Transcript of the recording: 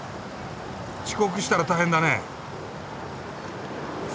遅刻したら大変だね？